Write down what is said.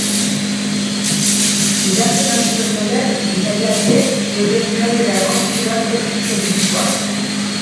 Gidatzen hasi baino lehen, bidaiariek euren neurrira egokitu beharko dituzte burukoak.